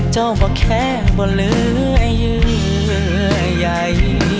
เจ้าบอกแค่บอกเหลือเยื่อใหญ่